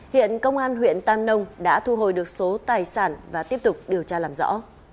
hiện công an huyện tam nông đã thu hồi được số tài sản và tiếp tục điều tra làm rõ